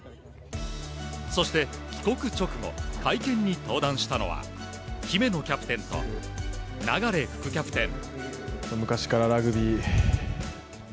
そして、帰国直後会見に登壇したのは姫野キャプテンと流副キャプテン。